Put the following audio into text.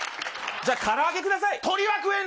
じゃあ、から揚げください。